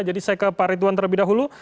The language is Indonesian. jadi saya ke pak ridwan terlebih dahulu